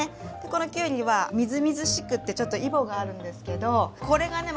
このきゅうりはみずみずしくてちょっとイボがあるんですけどこれがね